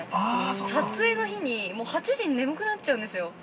撮影の日に、もう８時に眠くなっちゃうんですよ。